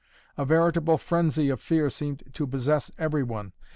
A veritable frenzy of fear seemed to possess every one.